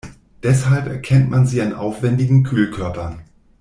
Deshalb erkennt man sie an aufwendigen Kühlkörpern.